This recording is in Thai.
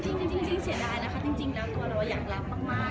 จริงเสียดายนะคะจริงแล้วตัวเราอยากรักมาก